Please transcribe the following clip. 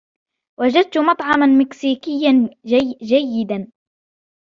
وجدت مطعما مكسيكيا جيدا.